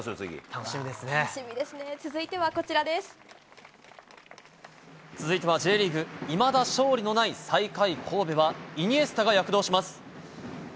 楽しみですね、続いてはこち続いては、Ｊリーグ、いまだ勝利のない最下位、神戸はイニエスタが躍動します。